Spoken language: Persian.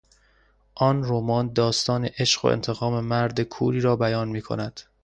آن رمان داستان عشق و انتقام مرد کوری را بیان میکند.